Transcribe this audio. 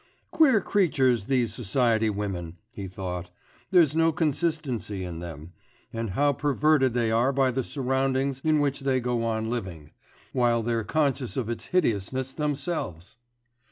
'Queer creatures these society women,' he thought; 'there's no consistency in them ... and how perverted they are by the surroundings in which they go on living, while they're conscious of its hideousness themselves!